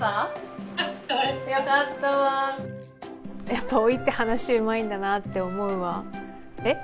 やっぱおいって話うまいんだなあって思うわえっ？